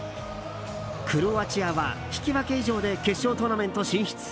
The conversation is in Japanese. クロアチアは引き分け以上で決勝トーナメント進出。